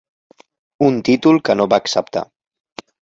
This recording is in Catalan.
Un títol que no va acceptar.